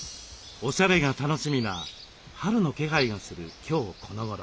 おしゃれが楽しみな春の気配がする今日このごろ。